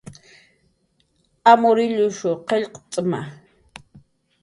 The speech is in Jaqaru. Amur illush qillqt'ma